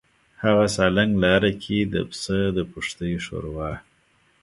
هغه سالنګ لاره کې د پسه د پښتۍ ښوروا.